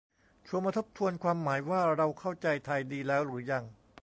ชวนมาทบทวนความหมายว่าเราเข้าใจไทยดีแล้วหรือยัง